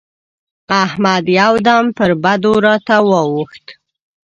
احمد يو دم پر بدو راته واووښت.